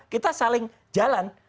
kita saling jalan